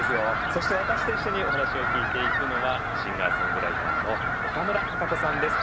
そして私と一緒にお話を聞いていくのはシンガーソングライターの岡村孝子さんです。